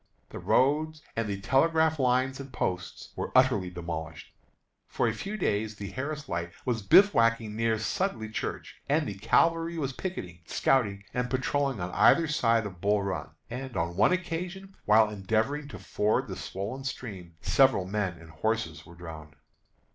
The road and the telegraph lines and posts were utterly demolished. For a few days the Harris Light was bivouacking near Sudley Church, and the cavalry was picketing, scouting, and patrolling on either side of Bull Run; and, on one occasion, while endeavoring to ford the swollen stream, several men and horses were drowned.